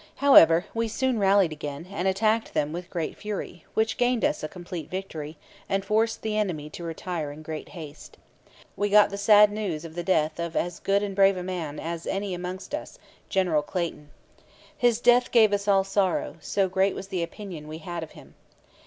However, we soon rallied again, and attacked them with great fury, which gained us a complete victory, and forced the enemy to retire in great haste. We got the sad news of the death of as good and brave a man as any amongst us, General Clayton. His death gave us all sorrow, so great was the opinion we had of him.